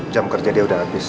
jam kerja dia udah habis